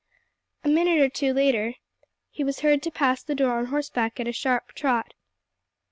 A minute or two later he was heard to pass the door on horseback at a sharp trot.